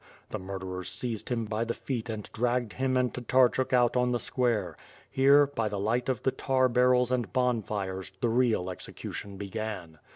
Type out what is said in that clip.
The murderers seized him by the feet and dragged him and Tatarchuk out on the square. Here, by the light of the tar barrels and bon fires, the real execution began.